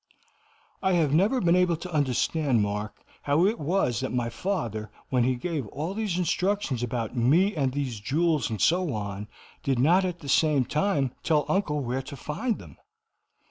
"I have never been able to understand, Mark, how it was that my father, when he gave all these instructions about me and these jewels and so on, did not at the same time tell uncle where to find them."